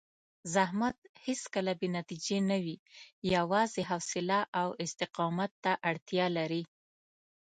زحمت هېڅکله بې نتیجې نه وي، یوازې حوصله او استقامت ته اړتیا لري.